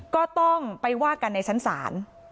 ก็ต้องไปว่ากันในชั้นศาล